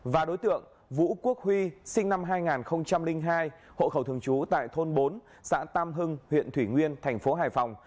và đối tượng vũ quốc huy sinh năm hai nghìn hai hộ khẩu thường trú tại thôn bốn xã tam hưng huyện thủy nguyên thành phố hải phòng